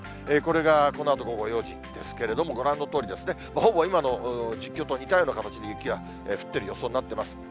これがこのあと午後４時ですけれども、ご覧のとおり、ほぼ今の実況と似たような形に雪が降っている予想になっています。